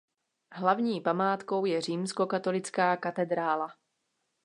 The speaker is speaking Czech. Hlavní památkou je římskokatolická katedrála.